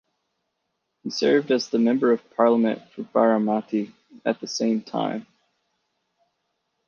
He served as the Member of Parliament for Baramati at the same time.